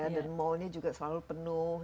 dan mallnya juga selalu penuh